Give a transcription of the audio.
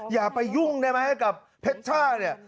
อย่าไปยุ่งได้ไหมกับเพชรช่าเนี่ย